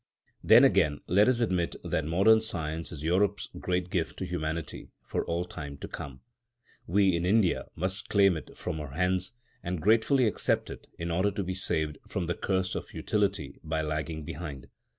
Then, again, let us admit that modern Science is Europe's great gift to humanity for all time to come. We, in India, must claim it from her hands, and gratefully accept it in order to be saved from the curse of futility by lagging behind.